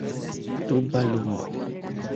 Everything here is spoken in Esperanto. Duba lumo.